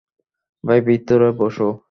ভাই, ভিতরে বসো।